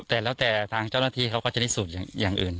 แต่แล้วแต่ทางเจ้าหน้าที่เขาก็จะพิสูจน์อย่างอื่น